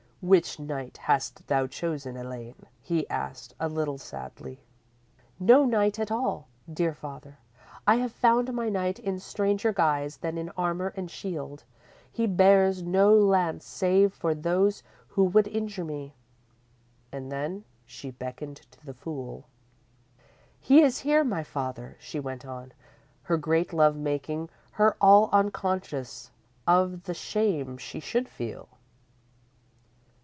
"_ "Which knight hast thou chosen, Elaine?" he asked, a little sadly. _"No knight at all, dear father. I have found my knight in stranger guise than in armour and shield. He bears no lance, save for those who would injure me." And then, she beckoned to the fool._ _"He is here, my father," she went on, her great love making her all unconscious of the shame she should feel.